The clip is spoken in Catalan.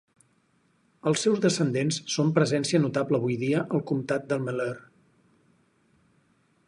Els seus descendents són presència notable avui dia al comtat de Malheur.